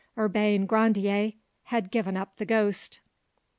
Urbain Grandier had given up the ghost.